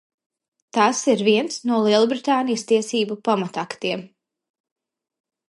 Tas ir viens no Lielbritānijas tiesību pamataktiem.